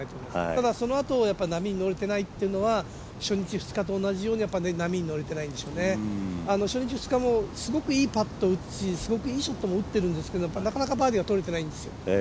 ただそのあと波に乗れてないっていうのは初日、２日目と同じように波に乗れてないんでしょうね初日、２日もすごくいいパットとショットを打ってるんですけどなかなかバーディーは取れてないんですよ。